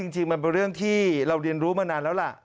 จริงมันเป็นเรื่องที่เราเรียนรู้มานานแล้วล่ะ